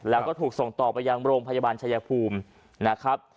แล้วก็ถูกส่งต่อไปยังโรงพยาบาลชายภูมินะครับ